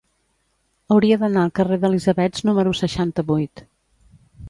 Hauria d'anar al carrer d'Elisabets número seixanta-vuit.